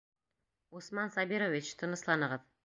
Усман Сабирович, тынысланығыҙ!..